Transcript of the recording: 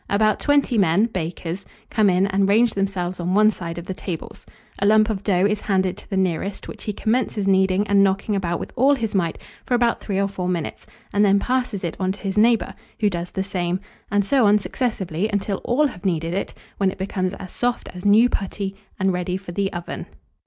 About twenty men (bakers) come in and range themselves on one side of the tables. A lump of dough is handed to the nearest, which he commences kneading and knocking about with all his might for about 3 or 4 minutes, and then passes it on to his neighbour, who does the same; and so on successively until all have kneaded it, when it becomes as soft as new putty, and ready for the oven.